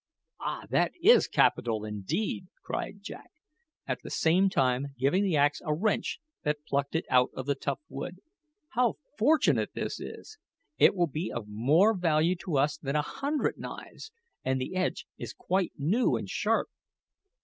"Ah, that is capital indeed!" cried Jack, at the same time giving the axe a wrench that plucked it out of the tough wood. "How fortunate this is! It will be of more value to us than a hundred knives, and the edge is quite new and sharp."